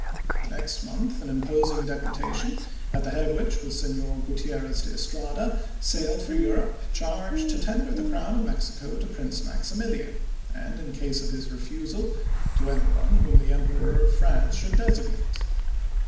The next month an imposing deputa tion, at the head of which was Senor Gutierrez de Estrada, sailed for Europe charged to tender the crown of Mexico to Prince Maximilian, and, in case of his refusal, to any one whom the Emperor of France should designate.